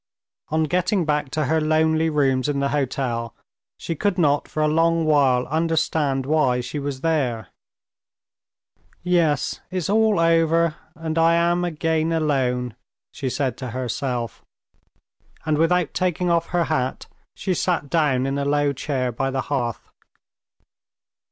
On getting back to her lonely rooms in the hotel she could not for a long while understand why she was there. "Yes, it's all over, and I am again alone," she said to herself, and without taking off her hat she sat down in a low chair by the hearth.